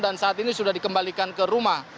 dan saat ini sudah dikembalikan ke rumah